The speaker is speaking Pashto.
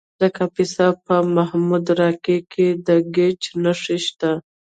د کاپیسا په محمود راقي کې د ګچ نښې شته.